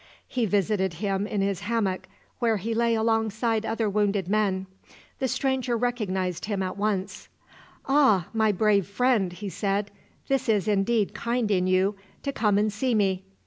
He visited him in his hammock, where he lay alongside other wounded men. The stranger recognised him at once. "Ah, my brave friend," he said, "this is indeed kind in you, to come and see me!